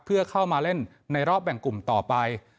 เพื่อเข้ามาเล่นในรอบแบ่งกลุ่มต่อไป